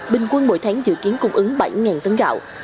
bình quân mỗi tháng dự kiến cung ứng bảy tấn gạo